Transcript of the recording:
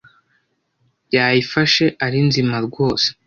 yayifashe ari nzima rwose